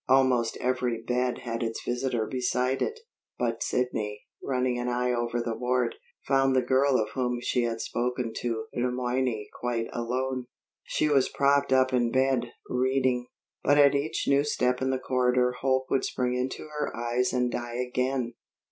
Almost every bed had its visitor beside it; but Sidney, running an eye over the ward, found the girl of whom she had spoken to Le Moyne quite alone. She was propped up in bed, reading; but at each new step in the corridor hope would spring into her eyes and die again.